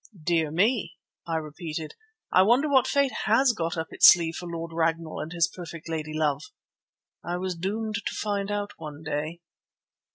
"Dear me!" I repeated. "I wonder what Fate has got up its sleeve for Lord Ragnall and his perfect lady love?" I was doomed to find out one day.